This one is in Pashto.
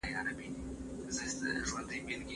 تاسو به په دې اړه پوه شئ.